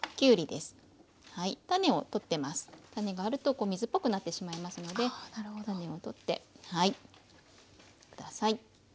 種があると水っぽくなってしまいますので種を取って下さい。